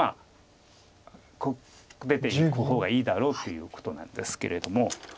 出ていく方がいいだろうということなんですけれども。